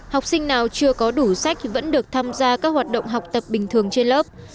học sinh nào chưa có đủ sách vẫn được tham gia các hoạt động học tập bình thường trên lớp